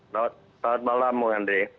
selamat malam bu andri